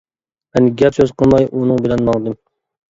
مەن گەپ سۆز قىلماي ئۇنىڭ بىلەن ماڭدىم.